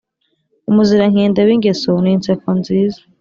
umuzirankende w’ingeso n’inseko nziza